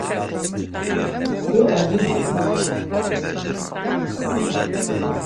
Tu aciz dibî.